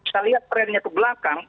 saya lihat trennya ke belakang